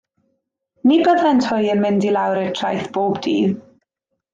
Ni byddent hwy yn mynd i lawr i'r traeth bob dydd.